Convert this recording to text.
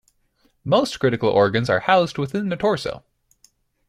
Most critical organs are housed within the torso.